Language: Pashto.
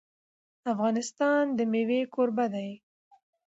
افغانستان د مېوې کوربه دی.